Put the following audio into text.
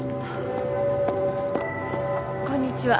こんにちは